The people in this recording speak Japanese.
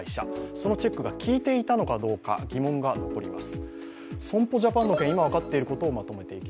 そのチェックが効いていたのかどうか、疑問が残ります。